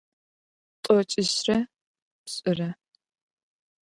Тӏокӏищырэ пшӏырэ.